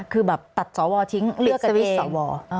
คือแบบตัดสอบวอลทิ้งเลือกกันเอง